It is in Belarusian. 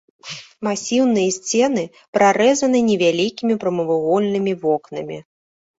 Масіўныя сцены прарэзаны невялікімі прамавугольнымі вокнамі.